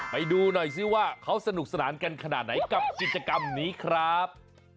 ไปดูหน่อยซิว่าเขาสนุกสนานกันขนาดไหนกับกิจกรรมนี้ครับ